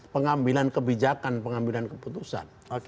pengambilan kebijakan pengambilan keputusan